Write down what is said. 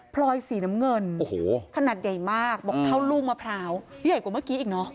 พลอยสีน้ำเงินโอ้โหขนาดใหญ่มากบอกเท่าลูกมะพร้าวใหญ่กว่าเมื่อกี้อีกเนอะ